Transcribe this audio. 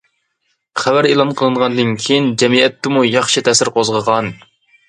خەۋەر ئېلان قىلىنغاندىن كېيىن جەمئىيەتتىمۇ ياخشى تەسىر قوزغىغان.